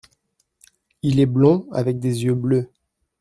Il est blond avec des yeux bleus.